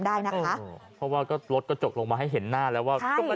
ได้นะคะว่าก็รถกระจกลงมาให้เห็นหน้าแล้วอ่ะได้ไม่มีผู้หญิงคนที่